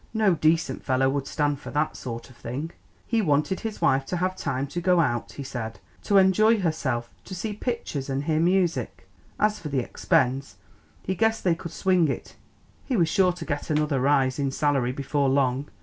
No decent fellow would stand for that sort of thing. He wanted his wife to have time to go out, he said; to enjoy herself; to see pictures and hear music. As for the expense, he guessed they could swing it; he was sure to get another rise in salary before long.